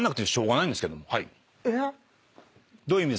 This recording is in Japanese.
えっ？